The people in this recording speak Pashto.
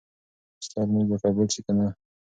ستا لمونځ به قبول شي که نه؟